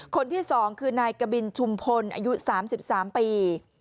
คนที่๒คือนายกบินชุมพลอายุ๓๓ปี